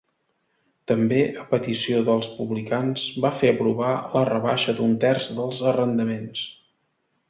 També, a petició dels publicans, va fer aprovar la rebaixa d'un terç dels arrendaments.